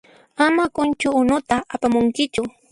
Ama qunchu unuta apamunkichu.